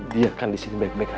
dia kan di sini baik baik aja